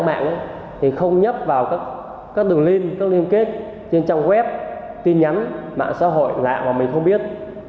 khi mà vào trong các trang mạng thì không nhấp vào các đường link các liên kết trên trang web tin nhắn mạng xã hội lạ mà mình không biết